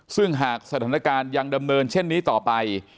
ซึ่งหากสถานการณ์ยังดำเนินเช่นนี้ต่อไป